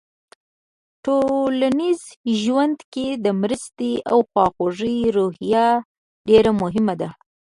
ټولنیز ژوند کې د مرستې او خواخوږۍ روحیه ډېره مهمه ده.